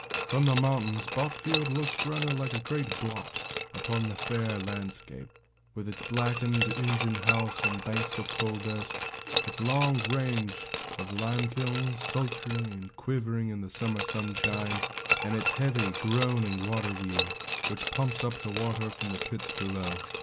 From the mountains, Botfield looks rather like a great blot upon the fair landscape, with its blackened engine house and banks of coal dust, its long range of limekilns, sultry and quivering in the summer sunshine, and its heavy, groaning water wheel, which pumps up the water from the pits below.